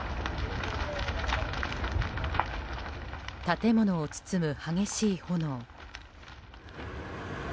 建物を包む激しい炎。